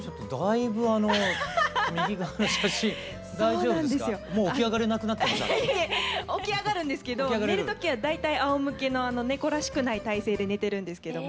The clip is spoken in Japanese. いえいえ起き上がるんですけど寝る時は大体あおむけの猫らしくない体勢で寝てるんですけども。